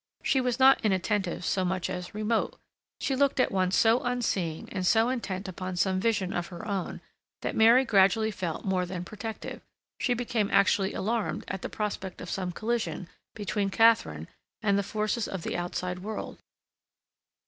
She was not inattentive so much as remote; she looked at once so unseeing and so intent upon some vision of her own that Mary gradually felt more than protective—she became actually alarmed at the prospect of some collision between Katharine and the forces of the outside world.